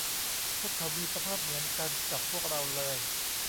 พวกเขามีสภาพเหมือนกันกับพวกเราเลย